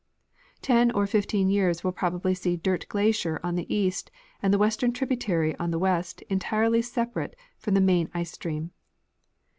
Ten or 15 years will probably see Dirt glacier on the east and the western tributary on the west entirely se23arate from the main ice stream.